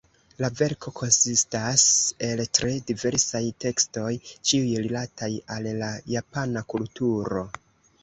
La verko konsistas el tre diversaj tekstoj, ĉiuj rilataj al la Japana kulturo.